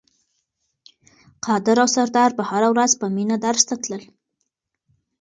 قادر او سردار به هره ورځ په مینه درس ته تلل.